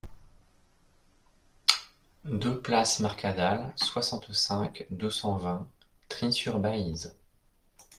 deux place Marcadale, soixante-cinq, deux cent vingt, Trie-sur-Baïse